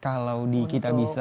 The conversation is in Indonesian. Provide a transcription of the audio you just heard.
kalau di kitabisa